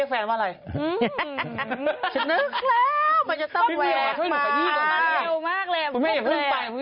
คุณแม่อย่าเพิ่งตาย